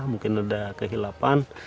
mungkin ada kehilapan